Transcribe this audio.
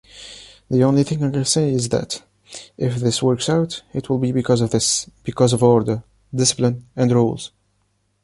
The only thing I can say is that, if this works out, it will be because of this. Because of order, discipline and rules.